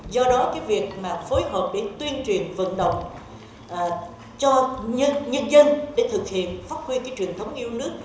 do đó cái việc mà phối hợp để tuyên truyền vận động cho nhân dân để thực hiện phát huy cái truyền thống yêu nước